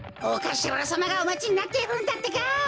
おかしらさまがおまちになっているんだってか！